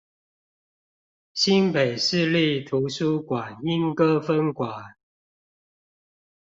新北市立圖書館鶯歌分館